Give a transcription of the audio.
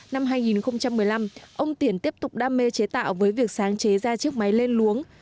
năm hai nghìn một mươi năm ông tiển tiếp tục đam mê chế tạo với việc sáng chế ra chiếc máy lên luống